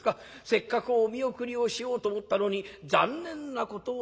せっかくお見送りをしようと思ったのに残念なことをいたしました』